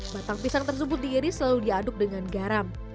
batang pisang tersebut diiris lalu diaduk dengan garam